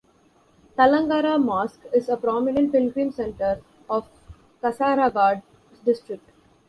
Thalangara mosque is a prominent pilgrim center of Kasaragod district.